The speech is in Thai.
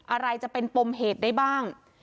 อะไรจะเป็นปมเหตุได้บ้าง